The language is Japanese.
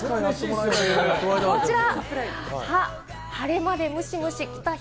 こちら！